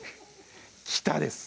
北です